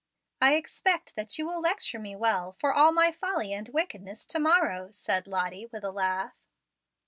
"I expect that you will lecture me well for all my folly and wickedness to morrow," said Lottie, with a laugh.